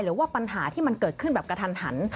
หรือว่าปัญหาที่มันเกิดขึ้นแบบกระทันหัน